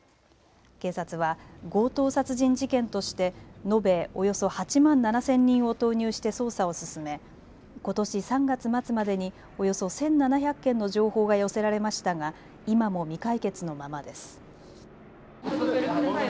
警察は強盗殺人事件として延べおよそ８万７０００人を投入して捜査を進め、ことし３月末までにおよそ１７００件の情報が寄せられましたが今も未解決のままです。